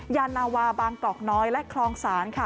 ยานาวาบางกอกน้อยและคลองศาลค่ะ